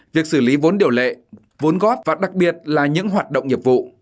việc xử lý vốn điều lệ vốn góp và đặc biệt là những hoạt động nghiệp vụ